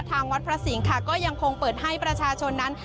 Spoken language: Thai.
ทางวัดพระสิงห์ค่ะก็ยังคงเปิดให้ประชาชนนั้น